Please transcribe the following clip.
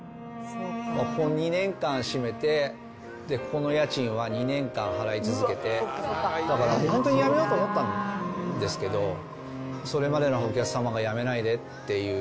ここ２年間閉めて、ここの家賃は２年間払い続けて、だからもう、本当に辞めようと思ったんですけど、それまでのお客様が辞めないでっていう